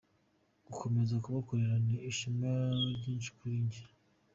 Gukomeza kubakorera, ni ishema ryinshi kuri njye.